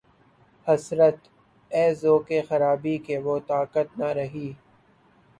حسرت! اے ذوقِ خرابی کہ‘ وہ طاقت نہ رہی